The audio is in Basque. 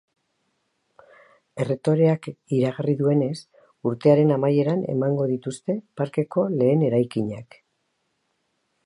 Errektoreak iragarri duenez, urtearen amaieran emango dituzte parkeko lehen eraikinak.